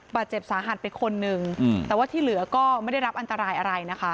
บาดเจ็บสาหัสไปคนนึงแต่ว่าที่เหลือก็ไม่ได้รับอันตรายอะไรนะคะ